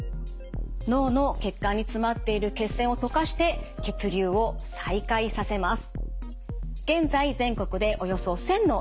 脳の血管に詰まっている血栓を溶かして血流を再開させます。